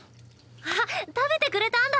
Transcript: あっ食べてくれたんだ！